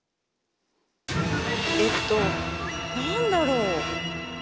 えっとなんだろう？